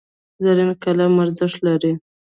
زرین قلم ارزښت لري.